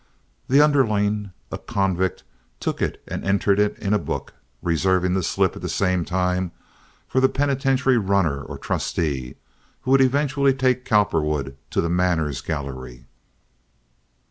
The underling, a convict, took it and entered it in a book, reserving the slip at the same time for the penitentiary "runner" or "trusty," who would eventually take Cowperwood to the "manners" gallery.